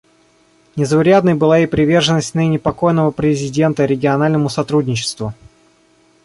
Незаурядной была и приверженность ныне покойного президента региональному сотрудничеству.